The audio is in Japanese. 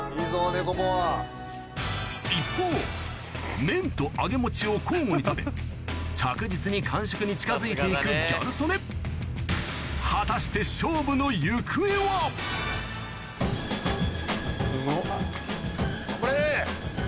一方麺と揚げ餅を交互に食べ着実に完食に近づいて行くギャル曽根果たして・すごっ・頑張れ！